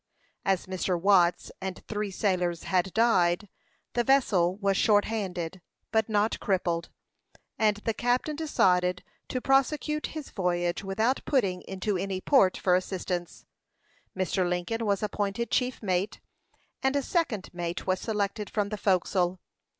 As Mr. Watts and three sailors had died, the vessel was short handed, but not crippled; and the captain decided to prosecute his voyage without putting into any port for assistance. Mr. Lincoln was appointed chief mate, and a second mate was selected from the forecastle.